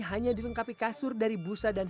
hanya dilengkapi kasur dari busa dan